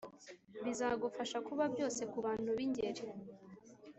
Bizagufasha kuba byose ku bantu b ingeri